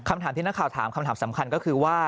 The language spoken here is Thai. คำถามที่นักข่าวถามคำถามสำคัญก็คือว่า